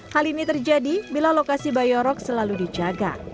hal ini terjadi bila lokasi bayorok selalu dijaga